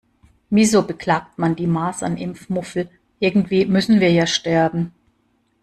Wieso beklagt man die Masernimpfmuffel, irgendwie müssen wir ja sterben.